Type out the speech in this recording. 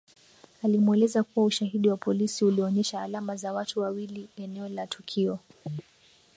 Alimueleza kuwa Ushahidi wa polisi ulionyesha alama za watu waiwili eneo la tukio